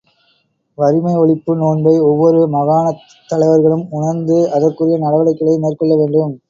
வறுமை ஒழிப்பு நோன்பை ஒவ்வொரு மாகாணத் தலைவர்களும் உணர்ந்து, அதற்குரிய நடவடிக்கைகளை மேற்கொள்ள வேண்டும்.